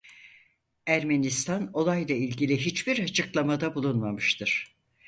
Ermenistan olayla ilgili hiçbir açıklamada bulunmamıştır.